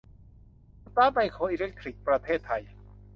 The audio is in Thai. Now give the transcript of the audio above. สตาร์ส ไมโครอิเล็กทรอนิกส์ ประเทศไทย